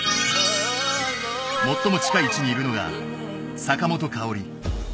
最も近い位置にいるのが坂本花織。